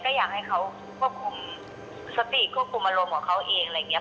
ก็อยากให้เขาควบคุมสติควบคุมอารมณ์ของเขาเองอะไรอย่างนี้